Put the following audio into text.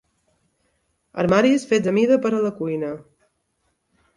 Armaris fets a mida per a la cuina.